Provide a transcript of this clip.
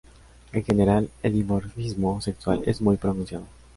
En general, el dimorfismo sexual es muy pronunciado.